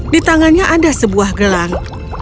di tangannya ada sebuah gelang